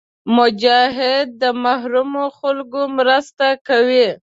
مجاهد د محرومو خلکو مرسته کوي.